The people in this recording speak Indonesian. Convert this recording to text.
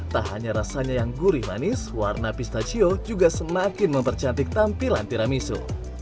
tak hanya rasanya yang gurih manis warna pistachio juga semakin mempercantik tampilan tiramisu